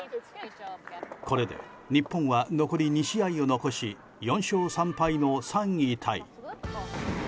これで日本は残り２試合を残し４勝３敗の３位タイ。